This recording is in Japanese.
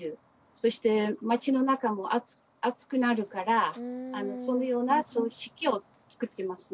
そして街の中も暑くなるからそのような組織を作ってますね。